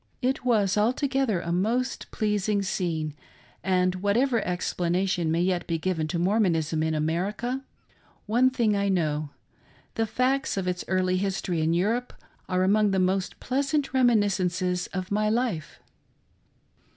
It was altogether a most pleasing scene, and, whatever explanation may yet be given to Mormonism in America, one thing I know — the facts of its early history in Europe are among the most pleasant reminis cences of my life.